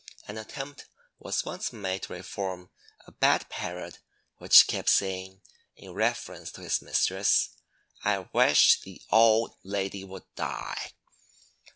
An attempt was once made to reform a bad parrot which kept saying, in reference to his mistress, "I wish the old lady would die."